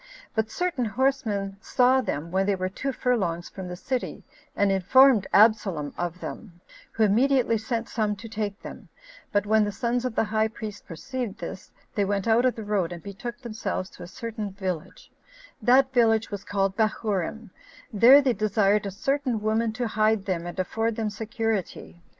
But certain horsemen saw them when they were two furlongs from the city, and informed Absalom of them, who immediately sent some to take them; but when the sons of the high priest perceived this, they went out of the road, and betook themselves to a certain village; that village was called Bahurim; there they desired a certain woman to hide them, and afford them security.